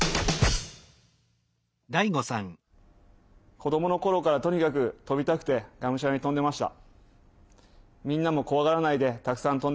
子どものころからとにかくとびたくてがむしゃらにとんでました。